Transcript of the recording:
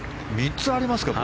３つありますから。